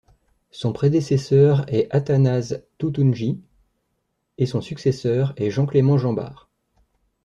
Son prédécesseur est Athanase Toutounji, et son successeur est Jean-Clément Jeanbart.